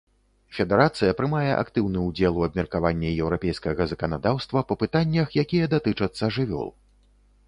Федэрацыя прымае актыўны ўдзел у абмеркаванні еўрапейскага заканадаўства па пытаннях, якія датычацца жывёл.